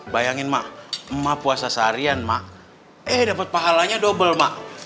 bayangin mak emak puasa seharian mak eh dapat pahalanya double mak